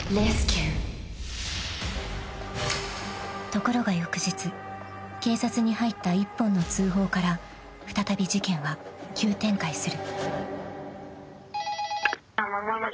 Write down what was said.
［ところが翌日警察に入った１本の通報から再び事件は急展開する］